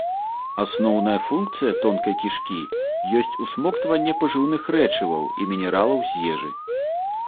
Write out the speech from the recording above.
Асноўная функцыя тонкай кішкі ёсць усмоктванне пажыўных рэчываў і мінералаў з ежы.